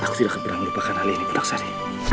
aku tidak akan pernah melupakan hal ini punah sari